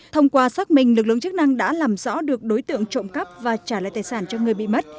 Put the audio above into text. thông qua xác minh lực lượng chức năng đã làm rõ được đối tượng trộm cắp và trả lại tài sản cho người bị mất